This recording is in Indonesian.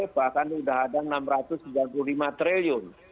bahkan sudah ada enam ratus sembilan puluh lima triliun